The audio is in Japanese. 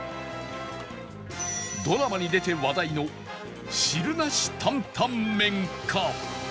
ドラマに出て話題の汁なし担々麺か